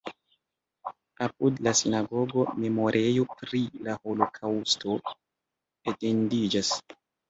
Apud la sinagogo memorejo pri la holokaŭsto etendiĝas.